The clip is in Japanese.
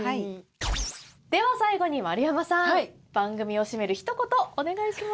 では最後に丸山さん番組を締めるひと言お願いします。